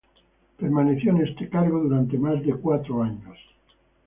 Permaneció en este cargo durante más de cuatro años antes.